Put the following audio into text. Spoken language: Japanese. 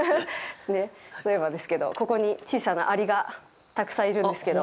例えばですけどここに小さなアリがたくさんいるんですけど。